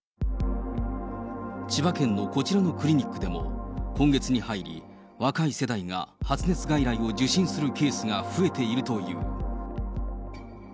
千葉県のこちらのクリニックでも、今月に入り、若い世代が発熱外来を受診するケースが増えているという。